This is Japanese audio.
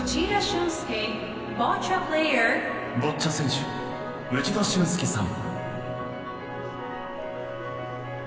ボッチャ選手内田峻介さん。